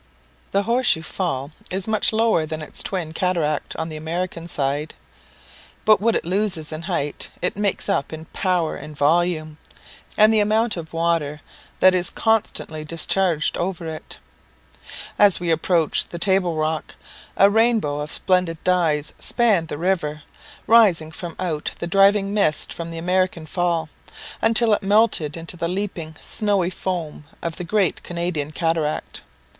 The Horse shoe Fall is much lower than its twin cataract on the American side; but what it loses in height, it makes up in power and volume, and the amount of water that is constantly discharged over it. As we approached the table rock, a rainbow of splendid dyes spanned the river; rising from out the driving mist from the American Fall, until it melted into the leaping snowy foam of the great Canadian cataract.